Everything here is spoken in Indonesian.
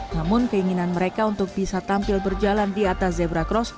namun keinginan mereka untuk bisa tampil berjalan di atas zebra cross